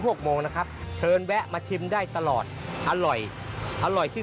ไสมัยนี่มันจะช้าไม่ได้เลยเพราะช้าเสียทั้งที